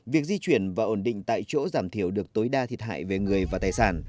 việc di chuyển và ổn định tại chỗ giảm thiểu được tối đa thiệt hại về người và tài sản